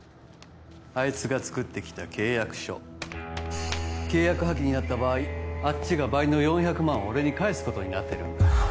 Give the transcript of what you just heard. あいつが作ってきた契約書契約破棄になった場合あっちが倍の４００万を俺に返すことになってるんだ